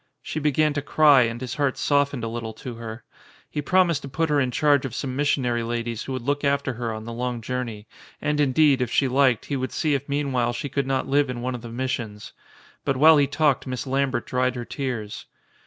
She began to cry and his heart softened a little to her. He prom ised to put her in charge of some missionary ladies who would look after her on the long journey, and indeed, if she liked, he would see if meanwhile she 118 THE CONSUL could not live in one of the missions. But while he talked Miss Lambert dried her tears.